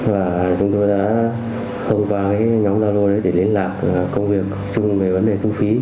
và chúng tôi đã hôm qua nhóm giao lô để liên lạc công việc chung về vấn đề thu phí